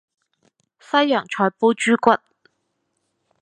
西洋菜煲豬骨